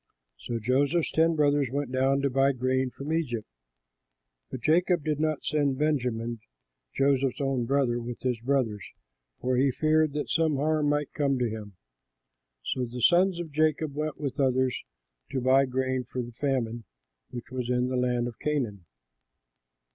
So Joseph's ten brothers went down to buy grain from Egypt. But Jacob did not send Benjamin, Joseph's own brother, with his brothers, for he feared that some harm might come to him. So the sons of Jacob went with others to buy grain, for the famine was in the land of Canaan.